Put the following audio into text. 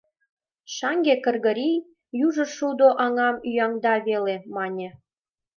Шаҥге Кыргорий «Южо шудо аҥам ӱяҥда веле» мане.